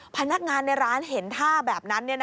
พนักงานในร้านเห็นท่าแบบนั้น